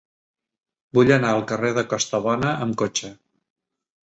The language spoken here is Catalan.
Vull anar al carrer de Costabona amb cotxe.